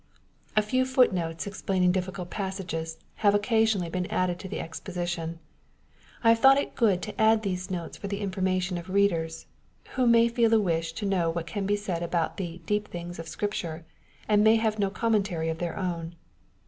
A few foot notes explaining difficult passages, have occasionally been added to the exposition. I have thought it good to add these notes for the information of readers, who may feel a wish to know what can be said about the ^'deep things'' of Scripture, and may have no commentary of their own.